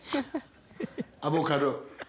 アボカド。